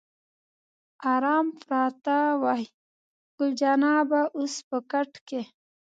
آرام پراته وای، ګل جانه به اوس په کټ کې.